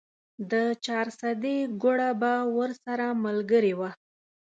د چارسدې ګوړه به ورسره ملګرې وه.